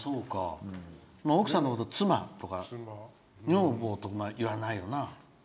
奥さんのこと妻とか女房とか言わないよな。